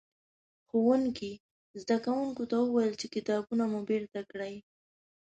ښوونکي؛ زدکوونکو ته وويل چې کتابونه مو بېرته کړئ.